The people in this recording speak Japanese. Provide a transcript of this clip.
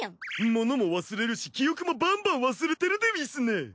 物も忘れるし記憶もバンバン忘れてるでうぃすね。